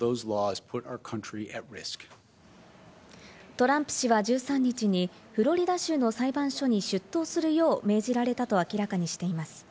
トランプ氏は１３日にフロリダ州の裁判所に出頭するよう命じられたと明らかにしています。